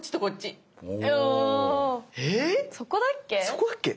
そこだっけ？